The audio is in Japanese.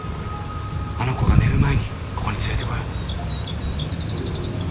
あの子が寝る前にここに連れてこよう。